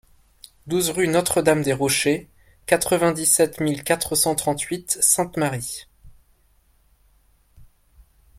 douze rue Notre Dame des Rochers, quatre-vingt-dix-sept mille quatre cent trente-huit Sainte-Marie